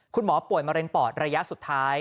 คุณหมอป่วยมะเร็งปอดระยะสุดท้าย